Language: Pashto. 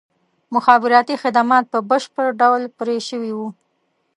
مخابراتي خدمات په بشپړ ډول پرې شوي وو.